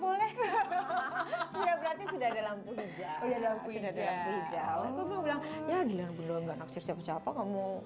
berarti sudah ada lampu hijau sudah ada lampu hijau gue bilang ya gila bener nggak naksir siapa siapa kamu